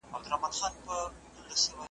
بریالي وه له دې فتحي یې زړه ښاد وو ,